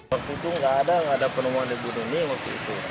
waktu itu gak ada gak ada penemuan dibunuh ini waktu itu